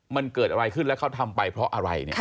มันเกิดอะไรขึ้นแล้วเขาทำไปเพราะอะไรเนี่ย